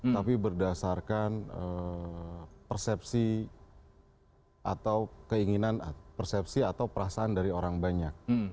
tapi berdasarkan persepsi atau keinginan persepsi atau perasaan dari orang banyak